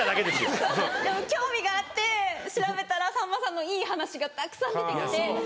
でも興味があって調べたらさんまさんのいい話がたくさん出て来て！